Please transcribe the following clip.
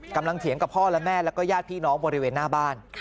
เถียงกับพ่อและแม่แล้วก็ญาติพี่น้องบริเวณหน้าบ้าน